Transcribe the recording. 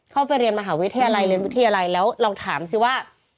เข้าไปเรียนมหาวิทยาลัยเรียนวิทยาลัยแล้วเราถามสิว่า